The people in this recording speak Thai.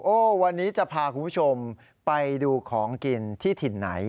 วันนี้จะพาคุณผู้ชมไปดูของกินที่ถิ่นไหน